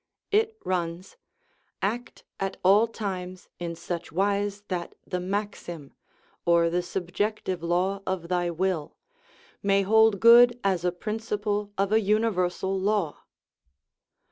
It runs :" Act at all times in such wise that the maxim (or the subjective kw of thy will) may hold good as a principle of a uni 348 OUR MONISTIC ETHICS versal law.